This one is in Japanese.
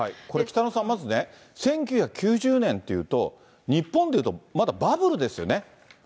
これ、北野さん、まずね、１９９０年っていうと、日本でいうとまだバブルですよね。